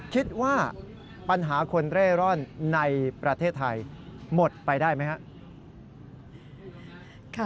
คิดว่าปัญหาคนเร่ร่อนในประเทศไทยหมดไปได้ไหมครับ